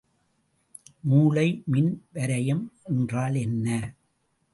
மூளை மின் வரையம் என்றால் என்ன?